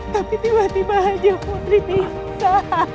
tapi tiba tiba aja putri bisa